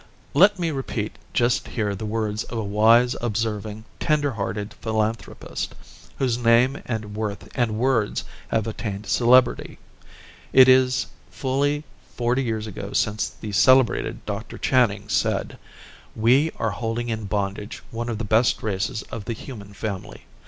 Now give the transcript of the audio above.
Let me repeat just here the words of a wise, observing, tender hearted philanthropist, whose name and worth and words have attained celebrity. It is fully forty years ago since the celebrated Dr. Channing said: "We are holding in bondage one of the best races of the human family.